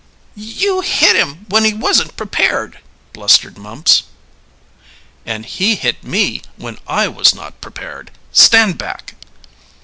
"You hit him when he wasn't prepared," blustered Mumps. "And he hit me when I was not prepared. Stand back!"